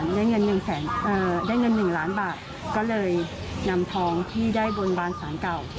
ได้เงิน๑ล้านบาทก็เลยนำทองที่ได้บนบานศาลเก่า